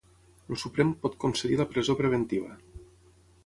El Suprem pot concedir la presó preventiva